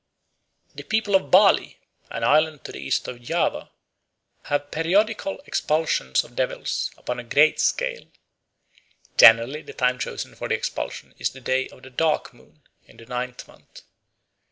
The people of Bali, an island to the east of Java, have periodical expulsions of devils upon a great scale. Generally the time chosen for the expulsion is the day of the "dark moon" in the ninth month.